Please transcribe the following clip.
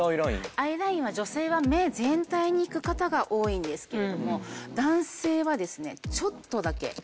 アイラインは女性は目全体に引く方が多いんですけれども男性はですねちょっとだけ。